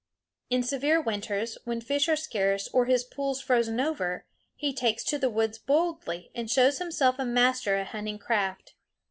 In severe winters, when fish are scarce or his pools frozen over, he takes to the woods boldly and shows himself a master at hunting craft.